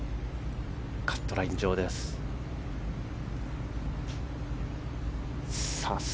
カットライン上です。